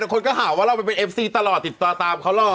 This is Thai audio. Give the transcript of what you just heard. คนก็หาว่าเราไปเป็นเอฟซีตลอดติดต่อตามเขาหล่อ